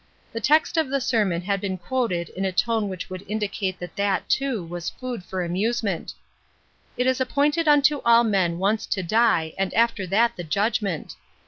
The text of the sermon had been quoted in a tone which would indicate that that, too, was food for amusement :" It is appointed unto all men once to die, and after that the judgment."